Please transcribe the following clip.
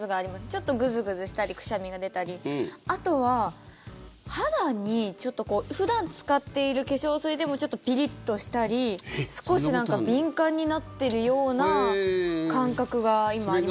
ちょっとグズグズしたりくしゃみが出たりあとは、肌にちょっと普段使っている化粧水でもちょっとピリッとしたり少し敏感になってるような感覚が今、あります。